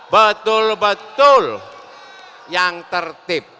betul betul yang tertib